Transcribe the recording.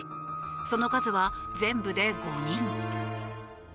その数は、全部で５人。